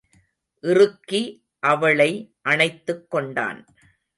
இறுக்கி அவளை அணைத்துக்கொண்டான்.